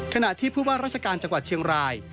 ขณะที่ผู้ว่าราชการจังหวัดเชียงราย